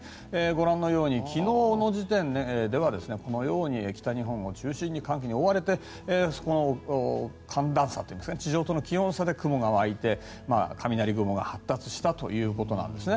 ご覧のように昨日の時点ではこのように北日本を中心に寒気に覆われて寒暖差といいますか地上との気温差で雲が湧いて雷雲が発達したということです。